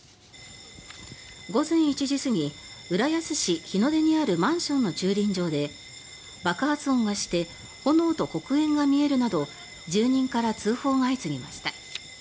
午前１時過ぎ浦安市日の出にあるマンションの駐輪場で爆発音がして炎と黒煙が見えるなど住人から通報が相次ぎました。